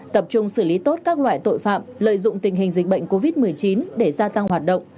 tập trung xử lý tốt các loại tội phạm lợi dụng tình hình dịch bệnh covid một mươi chín để gia tăng hoạt động